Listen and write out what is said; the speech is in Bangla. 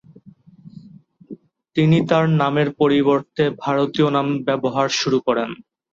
তিনি তার নামের পরিবর্তে ভারতীয় নাম ব্যবহার শুরু করেন।